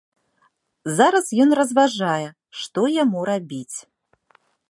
Зараз ён разважае, што яму рабіць.